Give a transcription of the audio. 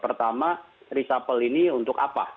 pertama reshuffle ini untuk apa